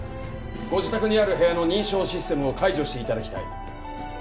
ご自宅にある部屋の認証システムを解除して頂きたい。